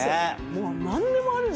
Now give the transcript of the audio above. もう何でもある。